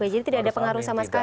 jadi tidak ada pengaruh sama sekali